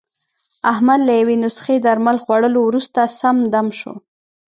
احمد له یوې نسخې درمل خوړلو ورسته، سم دم شو.